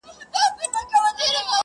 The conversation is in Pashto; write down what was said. کوچي نکلونه، د آدم او دُرخانۍ سندري٫